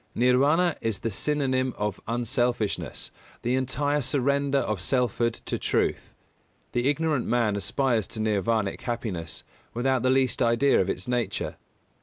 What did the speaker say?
Nirvāna is the synonym of unselfishness, the entire surrender of selfhood to truth. The ignorant man aspires to nirvānic happiness without the least idea of its nature.